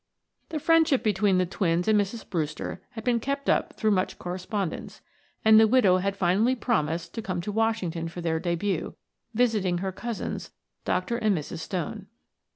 The friendship between the twins and Mrs. Brewster had been kept up through much correspondence, and the widow had finally promised to come to Washington for their debut, visiting her cousins, Dr. and Mrs. Stone.